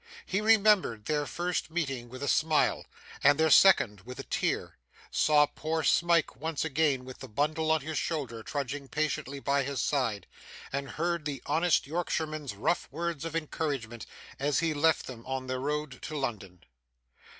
He remembered their first meeting with a smile, and their second with a tear; saw poor Smike once again with the bundle on his shoulder trudging patiently by his side; and heard the honest Yorkshireman's rough words of encouragement as he left them on their road to London.